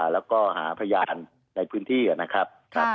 แล้วก็หาพยานในพื้นที่นะครับ